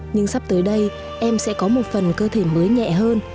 nhưng sắp tới đây em sẽ có một phần cơ thể mới nhẹ hơn